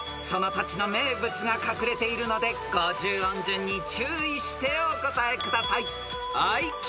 ［その土地の名物が隠れているので５０音順に注意してお答えください］